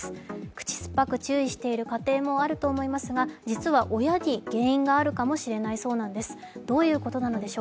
口酸っぱく注意している家庭もあると思いますが実は親に原因があるかもしれないんです。